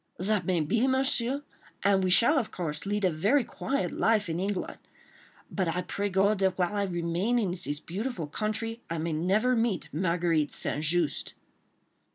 "That may be, Monsieur, and we shall, of course, lead a very quiet life in England, but I pray God that while I remain in this beautiful country, I may never meet Marguerite St. Just."